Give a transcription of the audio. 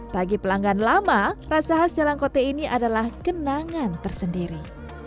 bagi pelanggan lama rasa khas jalangkote ini adalah kenangan tersendiri